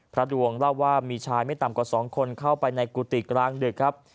ดวงเล่าว่ามีชายไม่ต่ำกว่า๒คนเข้าไปในกุฏิกลางดึกครับ